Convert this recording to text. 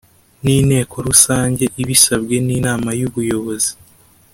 N inteko rusange ibisabwe n inama y ubuyobozi